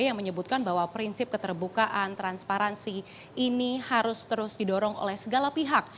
yang menyebutkan bahwa prinsip keterbukaan transparansi ini harus terus didorong oleh segala pihak